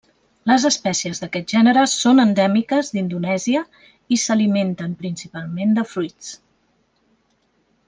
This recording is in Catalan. Les espècies d'aquest gènere són endèmiques d'Indonèsia i s'alimenten principalment de fruits.